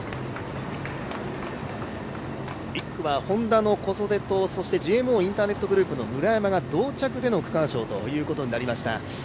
１区はＨｏｎｄａの小袖とＧＭＯインターネットグループの村山が同着での区間賞ということになりました。